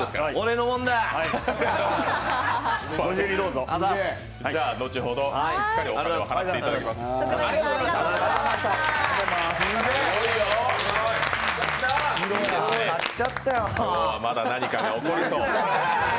今日はまだ何かが起こりそう。